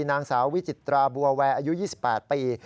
นางสาววิจิตราบัวแวร์อายุ๒๘ปี